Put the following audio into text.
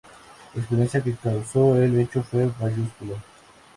La expectación que causó el hecho fue mayúscula.